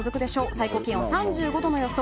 最高気温、３５度の予想。